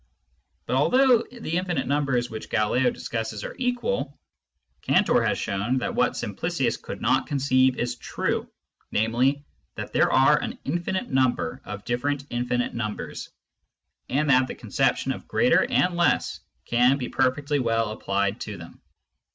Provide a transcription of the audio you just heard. But although the infinite numbers which Galileo discusses are equal. Cantor has shown that what Simplicius could not conceive is true, namely, that there are an infinite number of diflFerent infinite numbers, and that the conception of Digitized by Google THE POSITIVE THEORY OF INFINITY 195 greater and less can be perfectly well applied to them.